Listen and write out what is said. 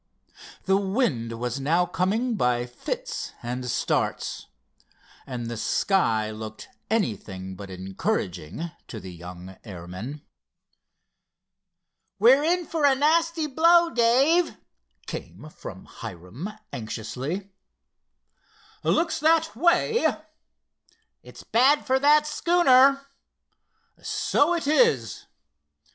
The wind was now coming by fits and starts, and the sky looked anything but encouraging to the young airmen. "We're in for a nasty blow, Dave," came from Hiram, anxiously. "Looks that way." "It's bad for that schooner." "So it is."